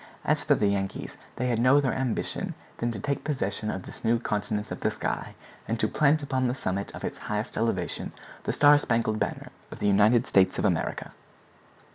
As for the Yankees, they had no other ambition than to take possession of this new continent of the sky, and to plant upon the summit of its highest elevation the star spangled banner of the United States of America.